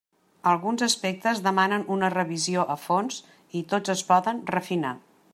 Alguns aspectes demanen una revisió a fons, i tots es poden refinar.